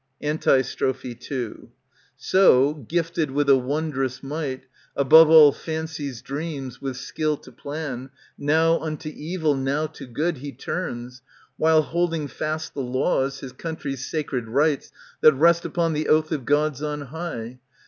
153 ANTIGONE Antistrophb It So, gifted with a wondrous might, Above all fancy's dreams, with skill to plan, Now unto evil, now to good, He turns. While holding fast the laws, His country's sacred rights, That rest upon the oath of Gods on high.